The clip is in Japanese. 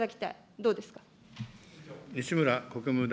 どうですか。